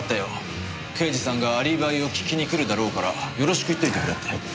刑事さんがアリバイを聞きに来るだろうからよろしく言っておいてくれって。